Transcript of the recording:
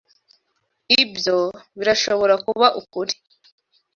Ibyo birashobora kuba ukuri.